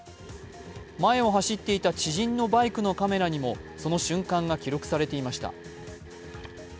前を走っていた知人のバイクのカメラにもその瞬間が記録されていました。